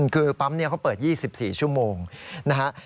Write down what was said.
คือปั๊มนี้เขาเปิด๒๔ชั่วโมงนะฮะ